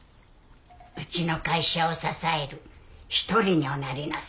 うちの会社を支える一人におなりなさい。